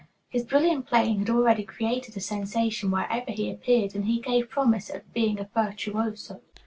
His brilliant playing had already created a sensation wherever he appeared, and he gave promise of being a virtuoso.